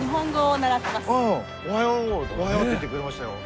あ「おはよう」って「おはよう」って言ってくれましたよ。